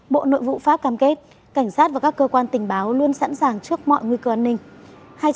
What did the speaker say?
bộ nội vụ pháp cam kết cảnh sát và các cơ quan tình báo luôn sẵn sàng trước mọi nguy cơ an ninh